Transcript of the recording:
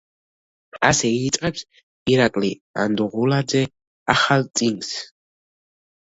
ასე იწყებს ირაკლი ანდღულაძე „ახალ წიგნს“.